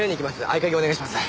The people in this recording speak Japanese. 合鍵お願いします。